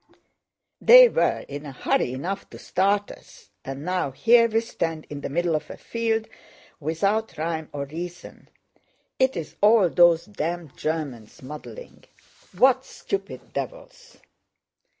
"They were in a hurry enough to start us, and now here we stand in the middle of a field without rhyme or reason. It's all those damned Germans' muddling! What stupid devils!"